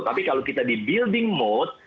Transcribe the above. tapi kalau kita di building mode